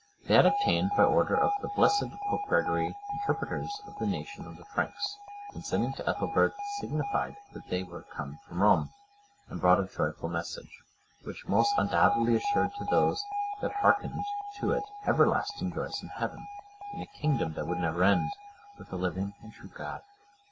They had obtained, by order of the blessed Pope Gregory, interpreters of the nation of the Franks,(113) and sending to Ethelbert, signified that they were come from Rome, and brought a joyful message, which most undoubtedly assured to those that hearkened to it everlasting joys in heaven, and a kingdom that would never end, with the living and true God.